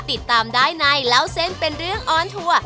ติดตามได้ในเล่าเส้นเป็นเรื่องออนทัวร์